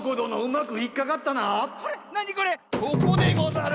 ここでござる！